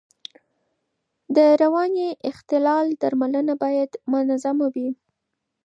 د رواني اختلال درملنه باید منظم وي.